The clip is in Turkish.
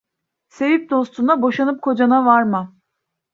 Sevip dostuna, boşanıp kocana varma.